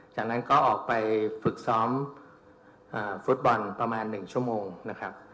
จากนั้นก็ออกไปฝึกซ้อมฟุตบอลประมาณ๑ชั่วโมงนะครับ